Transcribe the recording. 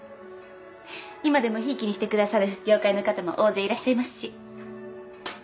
今でもひいきにしてくださる業界の方も大勢いらっしゃいますし。